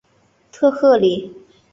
特赫里。